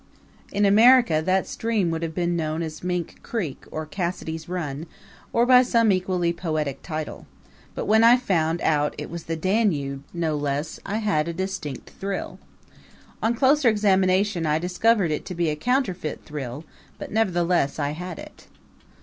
In America that stream would have been known as Mink Creek or Cassidy's Run, or by some equally poetic title; but when I found out it was the Danube no less I had a distinct thrill. On closer examination I discovered it to be a counterfeit thrill; but nevertheless, I had it.